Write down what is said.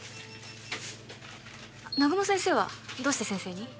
南雲先生はどうして先生に？